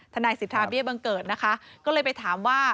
ทนายสิทธาเบี้ยบังเกิดนะคะก็เลยไปถามว่า